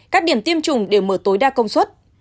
các điểm tiêm chủng đều mở tối đa công suất